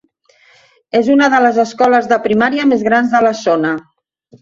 És una de les escoles de primària més grans de la zona.